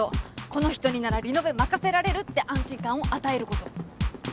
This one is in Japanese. この人にならリノベ任せられるって安心感を与えること。